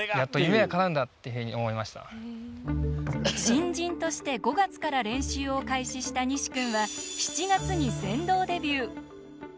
新人として５月から練習を開始した西君は７月に船頭デビュー。